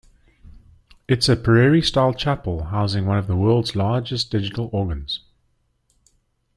It is a prairie-style chapel housing one of the world's largest digital organs.